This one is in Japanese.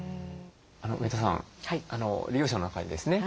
上田さん利用者の中にですね